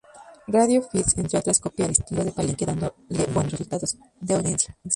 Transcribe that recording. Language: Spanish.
Radio Fides, entre otras, copia el estilo de Palenque dándole buenos resultados de audiencia.